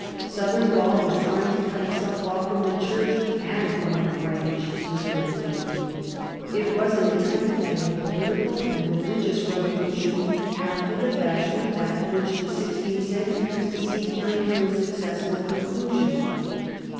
Southern Gaul was trying to cut itself off from the church and from the Frankish suzerainty. It was an attempt at a political and religious revolution after the fashion of that which the sixteenth century was to see carried to a successful conclusion.